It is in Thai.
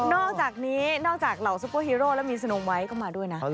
อกจากนี้นอกจากเหล่าซุปเปอร์ฮีโร่แล้วมีสนมไว้ก็มาด้วยนะ